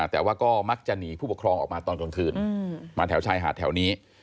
แต่ว่าก็มักจะหนีผู้ปกครองออกมาตอนกลางคืนมาแถวชายหาดแถวนี้